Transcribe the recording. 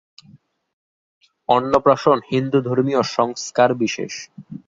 অন্নপ্রাশন হিন্দুধর্মীয় সংস্কার বিশেষ।